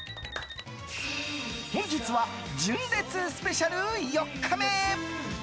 本日は純烈スペシャル４日目。